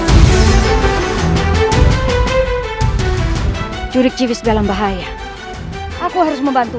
untuk mengambil kujang kembar itu